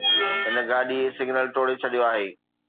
هن گاڏي سگنل ٽوڙي ڇڏيو آهي